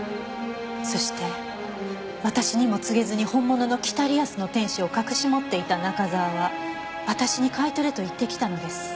「そして私にも告げずに本物の『北リアスの天使』を隠し持っていた中沢は私に買い取れと言ってきたのです」